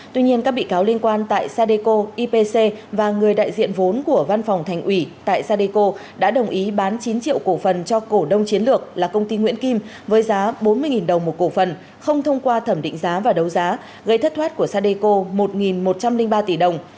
tuy nhiên các bị cáo liên quan tại sadeco ipc và người đại diện vốn của văn phòng thành ủy tại sadeco đã đồng ý bán chín triệu cổ phần cho cổ đông chiến lược là công ty nguyễn kim với giá bốn mươi đồng một cổ phần không thông qua thẩm định giá và đấu giá gây thất thoát của sadeco một một trăm linh ba tỷ đồng